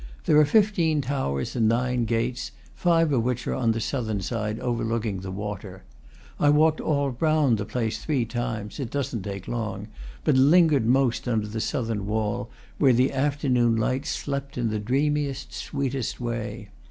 There are fifteen towers and nine gates, five of which are on the southern side, overlooking the water. I walked all round the place three times (it doesn't take long), but lingered most under the southern wall, where the afternoon light slept in the dreamiest, sweetest way.